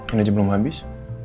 ini aja belum habis